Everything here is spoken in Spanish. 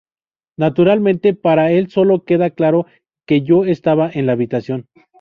Naturalmente para el solo queda claro que yo estaba en la habitación.